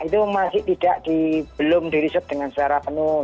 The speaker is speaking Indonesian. itu masih belum di riset dengan secara penuh